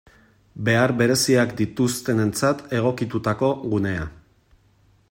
Behar bereziak dituztenentzat egokitutako gunea.